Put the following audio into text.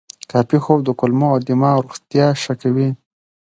کافي خوب د کولمو او دماغ روغتیا ښه کوي.